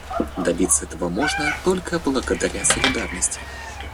Добиться этого можно только благодаря солидарности.